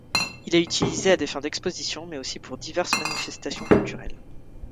Il est utilisé à des fins d'exposition, mais aussi pour diverses manifestations culturelles.